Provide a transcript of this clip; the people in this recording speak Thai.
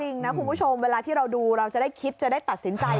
จริงนะคุณผู้ชมเวลาที่เราดูเราจะได้คิดจะได้ตัดสินใจ